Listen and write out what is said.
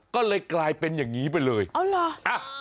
ก็เลยกลายเป็นอย่างนี้ไปเลยอ๋อเหรอ